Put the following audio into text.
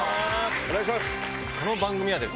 お願いします。